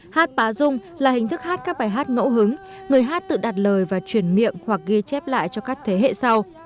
hát bá dung là hình thức hát các bài hát ngẫu hứng người hát tự đặt lời và chuyển miệng hoặc ghi chép lại cho các thế hệ sau